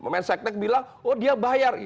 menseknek bilang oh dia bayar